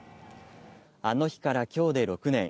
あの日から今日で６年。